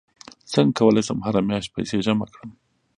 څنګه کولی شم هره میاشت پیسې جمع کړم